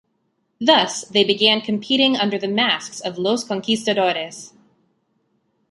Thus, they began competing under the masks of Los Conquistadores.